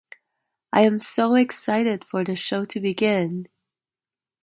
I am so excited for the show to begin!